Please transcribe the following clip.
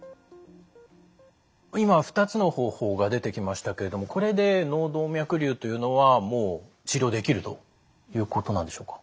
今２つの方法が出てきましたけれどもこれで脳動脈瘤というのはもう治療できるということなんでしょうか？